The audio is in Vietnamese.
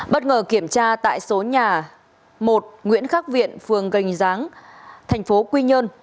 bất ngờ kiểm tra tại số nhà một nguyễn khắc viện phường gành giáng thành phố quy nhơn